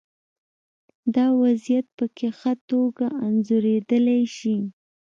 دا وضعیت پکې په ښه توګه انځورېدای شي.